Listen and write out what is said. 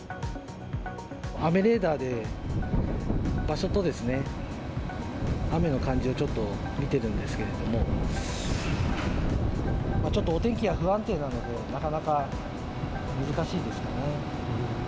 雨レーダーで、場所とですね、雨の感じをちょっと見てるんですけれども、ちょっとお天気が不安定なので、なかなか難しいですかね。